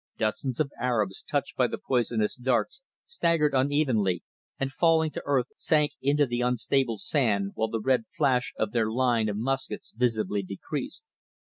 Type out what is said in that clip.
Dozens of Arabs, touched by the poisonous darts, staggered unevenly, and falling to earth sank into the unstable sand, while the red flash of their line of muskets visibly decreased.